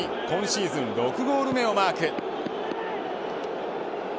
今シーズン６ゴール目をマーク。